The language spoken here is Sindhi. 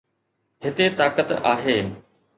هتي طاقت آهي.